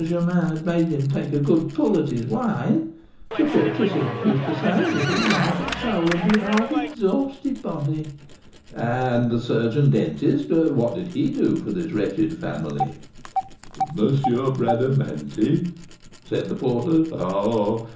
Germain had made him take a good pull at his wine, to put, as he used to say, a little life and soul into his half exhausted body." "And the surgeon dentist, what did he do for this wretched family?" "M. Bradamanti?" said the porter. "Ah!